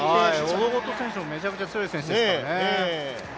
オロゴト選手も、めちゃくちゃ強い選手ですからね。